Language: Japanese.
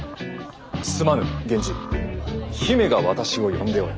すまぬ源氏姫が私を呼んでおる。